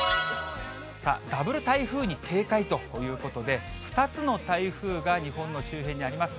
さあ、ダブル台風に警戒ということで、２つの台風が日本の周辺にあります。